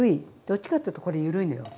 どっちかっていうとこれ緩いのよ。